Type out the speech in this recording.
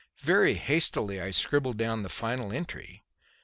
Very hastily I scribbled down the final entry ("9.